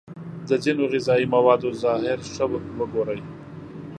د ځینو غذايي موادو ظاهر ښه وگورئ.